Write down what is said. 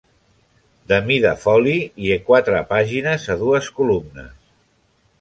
De mida foli i quatre pàgines a dues columnes.